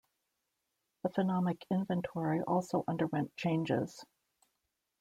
The phonemic inventory also underwent changes.